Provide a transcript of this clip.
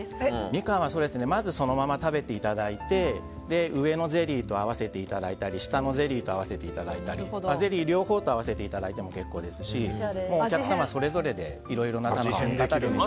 ミカンはまずそのまま食べていただいて上のゼリーと合わせていただいたり下のゼリーと合わせていただいたりゼリー両方と合わせていただいても結構ですしお客様それぞれでいろいろな楽しみ方を。